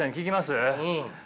うん。